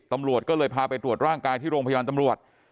ตำรวจก็เลยพาไปตรวจร่างกายที่โรงพยาบาลตำรวจ